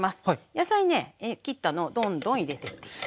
野菜ね切ったのをどんどん入れてっていいです。